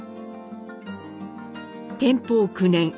天保９年。